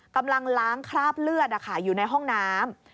กำลังล้างคราบเลือดอยู่ในห้องน้ำ